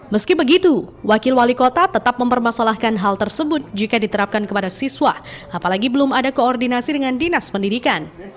meski begitu wakil wali kota tetap mempermasalahkan hal tersebut jika diterapkan kepada siswa apalagi belum ada koordinasi dengan dinas pendidikan